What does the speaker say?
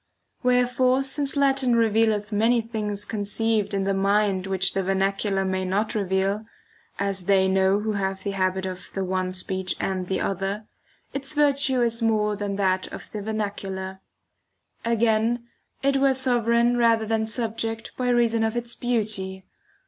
Wherefore since Latin revealeth many things conceived in the mind which the vernacular may not reveal (as they know who have the habit of the one speech and the other), its virtue is more than that of the [903 vernacular, iii. Again, it were sovran rather than subject by reason of its beauty.